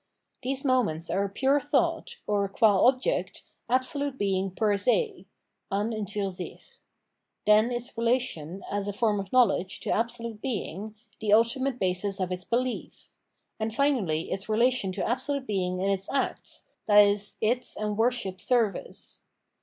These moments are pnre thought, or, qua object, absolute Being per se {an und jiir sick ); then its relation, as a form of knowledge, to absolute Being, the ulti mate basis of its belief ; and finally its relation to abso lute Being in its acts, i.e. its and " worship " service.